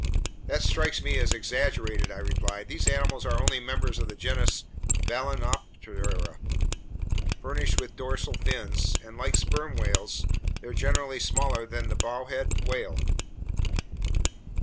"That strikes me as exaggerated," I replied. "Those animals are only members of the genus Balaenoptera furnished with dorsal fins, and like sperm whales, they're generally smaller than the bowhead whale."